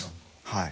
はい。